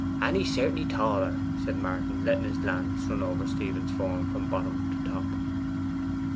'And he's certainly taller,' said Martin, letting his glance run over Stephen's form from bottom to top.